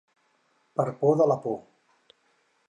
Per por de la por.